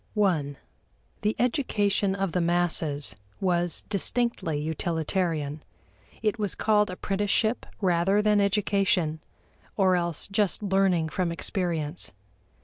(i) The education of the masses was distinctly utilitarian. It was called apprenticeship rather than education, or else just learning from experience.